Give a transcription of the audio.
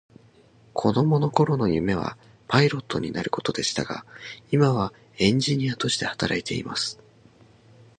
子供の頃の夢はパイロットになることでしたが、今はエンジニアとして働いています。